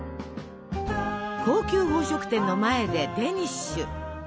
高級宝飾店の前でデニッシュ。